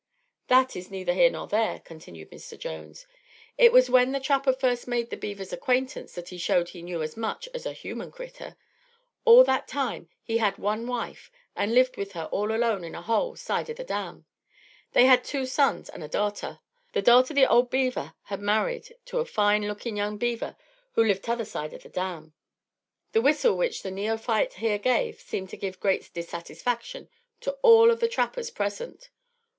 "That is neither here nor there," continued Mr. Jones. "It was when the trapper first made the beaver's acquaintance that he showed he knew as much as a human critter. At that time he had one wife and lived with her all alone in a hole, side o' the dam. They had two sons and a darter. The darter the old beaver had married to a fine lookin' young beaver who lived t'other side the dam." The whistle which the neophyte here gave seemed to give great dissatisfaction to all of the trappers present.